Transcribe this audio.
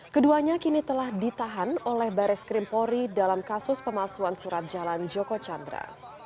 keduanya kini telah ditahan oleh baris krimpori dalam kasus pemalsuan surat jalan joko chandra